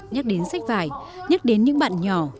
nhắc đến sách vải nhắc đến những bạn nhỏ